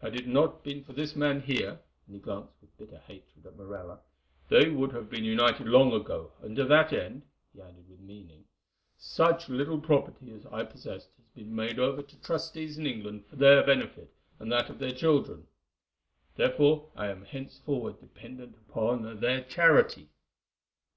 "Had it not been for this man here," and he glanced with bitter hatred at Morella, "they would have been united long ago, and to that end," he added with meaning, "such little property as I possessed has been made over to trustees in England for their benefit and that of their children. Therefore I am henceforward dependent upon their charity."